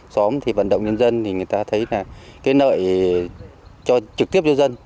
xóm thì vận động nhân dân thì người ta thấy là cái nợ cho trực tiếp cho dân